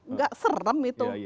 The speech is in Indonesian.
nggak serem itu